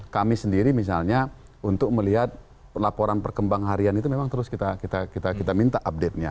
kami sendiri misalnya untuk melihat laporan perkembangan harian itu memang terus kita minta update nya